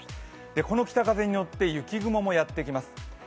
この北風に乗って雪雲もやってきます。